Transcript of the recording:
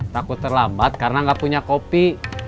takut terlambat karena nggak punya kopi